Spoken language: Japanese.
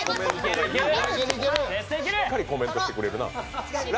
しっかりコメントしてくれるな。